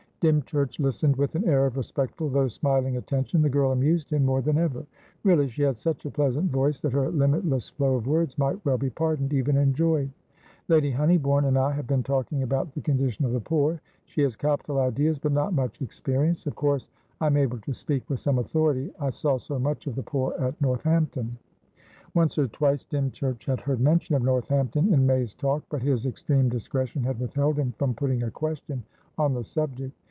Dymchurch listened with an air of respectful, though smiling, attention. The girl amused him more than ever. Really, she had such a pleasant voice that her limitless flow of words might well be pardoned, even enjoyed. "Lady Honeybourne and I have been talking about the condition of the poor. She has capital ideas, but not much experience. Of course I am able to speak with some authority: I saw so much of the poor at Northampton." Once or twice Dymchurch had heard mention of Northampton in May's talk, but his extreme discretion had withheld him from putting a question on the subject.